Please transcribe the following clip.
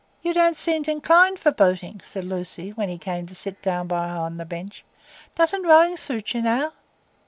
"You don't seem inclined for boating," said Lucy, when he came to sit down by her on the bench. "Doesn't rowing suit you now?"